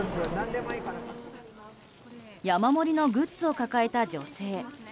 山盛りのグッズを抱えた女性。